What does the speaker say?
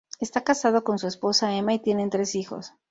Esta casado con su esposa Emma y tienen tres hijos.